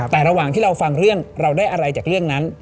แต่ระหว่างที่เราฟังเรื่องเราได้อะไรจากเรื่องนั้น